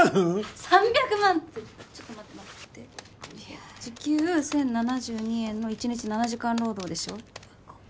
３００万ってちょっと待って時給１０７２円の１日７時間労働でしょ